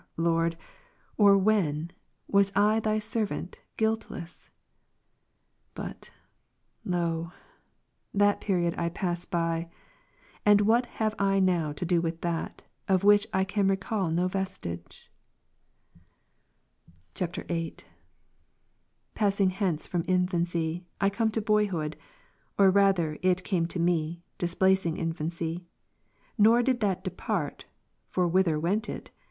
Lord, or when, was I Thy servant guiltless ? But, lo ! that period I pass by ; and what have I now to do with that, of which I can recal no vestige ? [VIIL] 13. Passing hence from infancy, Icome to boyhood, or rather it came to me, displacing infancy. Nor did that de part— (for whither went it?)